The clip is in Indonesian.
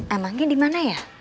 emangnya dimana ya